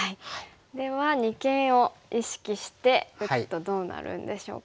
では二間を意識して打つとどうなるんでしょうか。